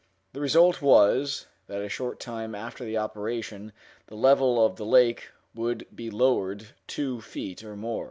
The result was, that a short time after the operation the level of the lake would be lowered two feet, or more.